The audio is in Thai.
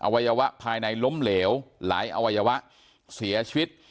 วัยวะภายในล้มเหลวหลายอวัยวะเสียชีวิต